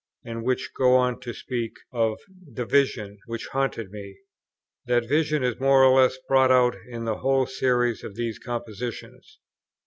and which go on to speak of "the vision" which haunted me: that vision is more or less brought out in the whole series of these compositions.